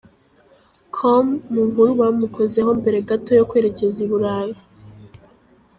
com mu nkuru bamukozeho mbere gato yo kwerekeza i Burayi,.